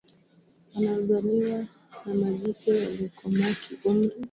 wanaozaliwa na majike waliokomaa kiumri